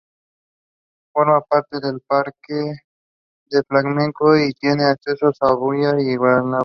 Forma parte del parque de Flamengo y tiene acceso a la bahía de Guanabara.